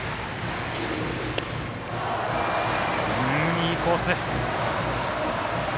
いいコース。